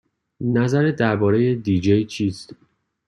نظرت درباره دی جی چیست؟